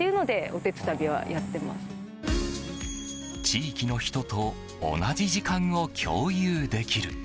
地域の人と同じ時間を共有できる。